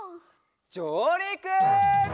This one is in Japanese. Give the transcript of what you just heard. じょうりく！